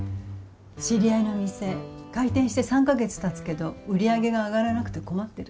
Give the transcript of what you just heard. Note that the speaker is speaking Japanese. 知り合いのお店開店して３か月たつけど売り上げが上がらなくて困ってる。